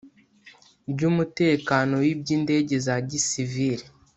ry umutekano w iby indege za gisivili